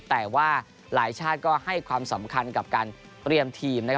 แต่ว่าหลายชาติก็ให้ความสำคัญกับการเตรียมทีม